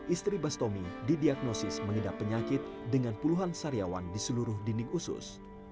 istri bastomi didiagnosis mengidap penyakit dengan puluhan sariawan di seluruh dinding usus